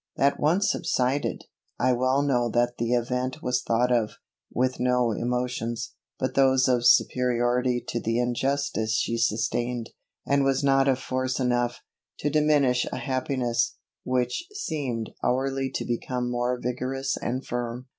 That once subsided, I well know that the event was thought of, with no emotions, but those of superiority to the injustice she sustained; and was not of force enough, to diminish a happiness, which seemed hourly to become more vigorous and firm.